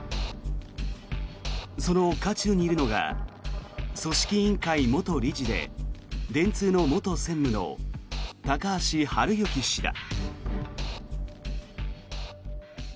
その渦中にいるのが組織委員会元理事で電通の元専務の高橋治之氏だ。